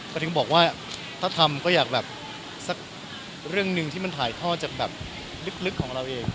ก็ถึงบอกว่าถ้าทำก็อยากแบบสักเรื่องหนึ่งที่มันถ่ายทอดจากแบบลึกของเราเอง